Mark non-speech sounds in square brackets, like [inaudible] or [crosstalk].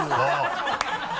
ハハハ [laughs]